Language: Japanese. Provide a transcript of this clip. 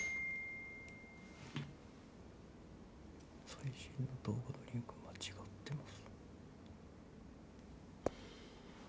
「最新の動画のリンク間違ってます」